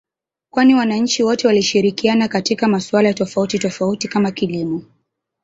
kwani wananchi wote walishirikiana katika masuala tofauti tofauti kama kilimo